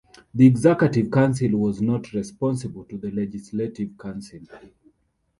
The executive council was not responsible to the legislative council.